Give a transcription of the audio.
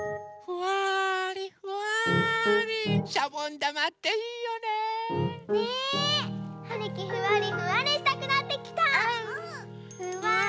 「ふわりふわりふわり」